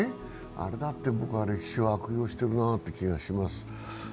あれだって僕は歴史を悪用してるなという気がします。